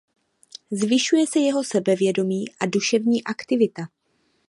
Zvyšuje se jeho sebevědomí a duševní aktivita.